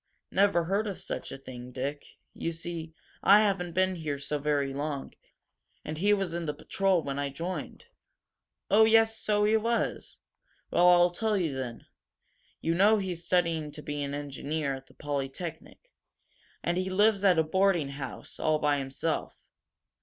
"Never heard of such a thing, Dick. You see, I haven't been here so very long and he was in the patrol when I joined." "Oh, yes, so he was! Well, I'll tell you, then. You know he's studying to be an engineer, at the Polytechnic. And he lives at a boarding house, all by himself.